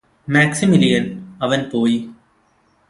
മാക്സിമിലിയന് അവന് പോയി